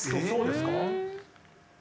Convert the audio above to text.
そうですか？